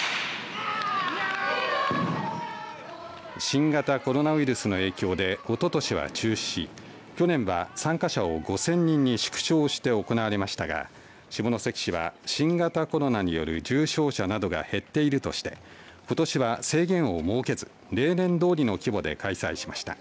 新型コロナウイルスの影響でおととしは中止し去年は参加者を５０００人に縮小して行われましたが下関市は新型コロナによる重症者などが減っているとしてことしは制限を設けず例年通りの規模で開催しました。